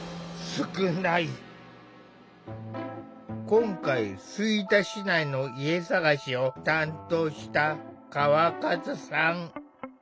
今回吹田市内の家探しを担当した川勝さん。